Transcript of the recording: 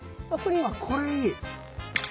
あっこれいい。